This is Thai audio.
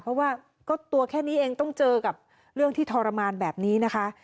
เพราะว่าก็ตัวแค่นี้เองต้องเจอกับเรื่องที่ทรมานแบบนี้นะคะ